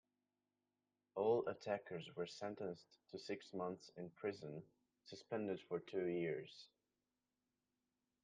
All attackers were sentenced to six months in prison, suspended for two years.